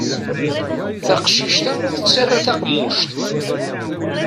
Taqcict-a tettarra taqemmuct.